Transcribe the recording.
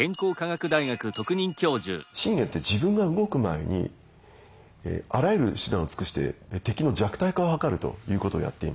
信玄って自分が動く前にあらゆる手段を尽くして敵の弱体化を図るということをやっています。